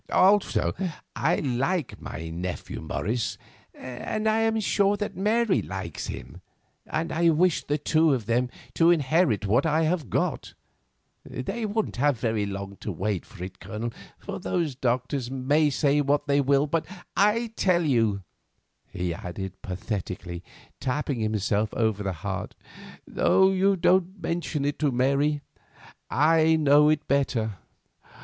"Also, I like my nephew Morris, and I am sure that Mary likes him, and I'd wish the two of them to inherit what I have got. They wouldn't have very long to wait for it, Colonel, for those doctors may say what they will, but I tell you," he added, pathetically, tapping himself over the heart—"though you don't mention it to Mary—I know better.